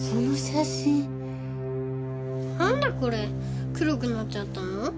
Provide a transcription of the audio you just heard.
なんでこれ黒くなっちゃったの？